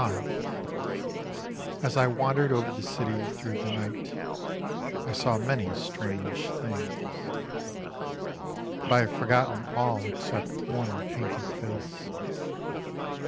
XXV As I wandered over the city through the night, I saw many strange things: But I have forgotten all Except one painted face.